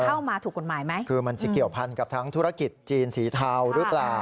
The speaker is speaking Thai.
เข้ามาถูกกฎหมายไหมคือมันจะเกี่ยวพันกับทั้งธุรกิจจีนสีเทาหรือเปล่า